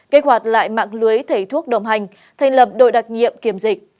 kế hoạch lại mạng lưới thể thuốc đồng hành thành lập đội đặc nhiệm kiểm dịch